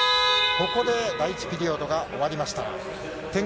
ここで第１ピリオドが終わりました。